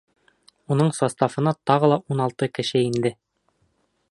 Уның составына тағы ла ун алты кеше инде.